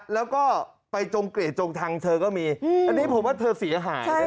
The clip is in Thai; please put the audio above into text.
แล้วก็ไปจงเกรดจงทางเธอก็มีอันนี้ผมว่าเธอเสียหาย